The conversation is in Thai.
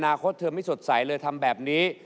คตเธอไม่สดใสเลยทำแบบนี้